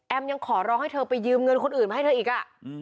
ยังขอร้องให้เธอไปยืมเงินคนอื่นมาให้เธออีก